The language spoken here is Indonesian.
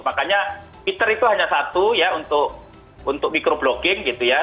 makanya peter itu hanya satu ya untuk microblocking gitu ya